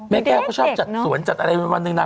แม่แก้วเขาชอบจัดสวนจัดอะไรวันหนึ่งนะ